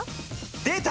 出た！